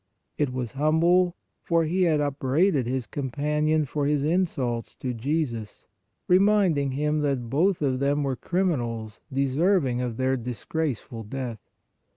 It was humble, for he had upbraided his companion for his insults to Jesus, reminding him that both of them were criminals deserving of their disgrace ful death.